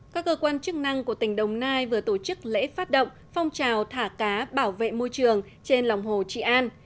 các cơ quan chức năng của tỉnh đồng nai vừa tổ chức lễ phát động phong trào thả cá bảo vệ môi trường trên lòng hồ trị an